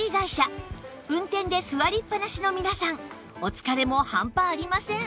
運転で座りっぱなしの皆さんお疲れも半端ありません